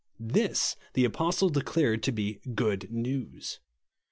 This the apostle declared to be " good news."